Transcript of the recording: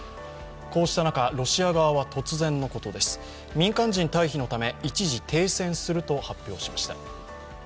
こうした中、ロシア側は突然、民間人退避のため、一時停戦すると発表しました。